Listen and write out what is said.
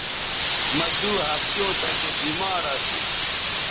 مہ دو ہفتیوں تکے بیمار اسو